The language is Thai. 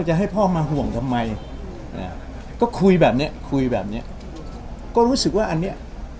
จะให้พ่อมาห่วงทำไมอ่าก็คุยแบบเนี้ยคุยแบบเนี้ยก็รู้สึกว่าอันเนี้ย